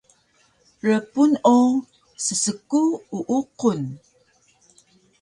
Rpun o ssku uuqun